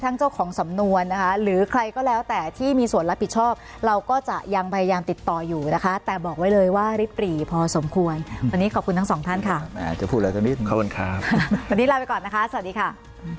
เจ้าของสำนวนนะคะหรือใครก็แล้วแต่ที่มีส่วนรับผิดชอบเราก็จะยังพยายามติดต่ออยู่นะคะแต่บอกไว้เลยว่าริบหรี่พอสมควรวันนี้ขอบคุณทั้งสองท่านค่ะจะพูดอะไรสักนิดขอบคุณครับวันนี้ลาไปก่อนนะคะสวัสดีค่ะ